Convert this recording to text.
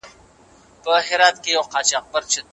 فردي سبک د لیکوال ځانګړی نښان وي.